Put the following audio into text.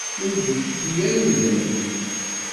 Ur d-ifki ara udem.